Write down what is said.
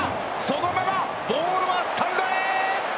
そのままボールはスタンドへ！